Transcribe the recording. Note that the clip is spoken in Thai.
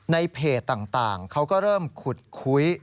ในเพจต่างเขาก็เริ่มขุดคุย